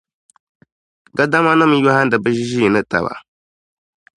Gadamanima yɔhindi bɛ ʒiʒiinitaba.